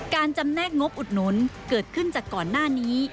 จำแนกงบอุดหนุนเกิดขึ้นจากก่อนหน้านี้